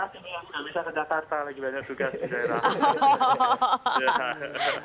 tidak bisa ke jakarta lagi banyak tugas